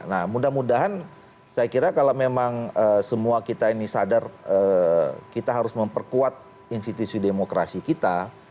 nah mudah mudahan saya kira kalau memang semua kita ini sadar kita harus memperkuat institusi demokrasi kita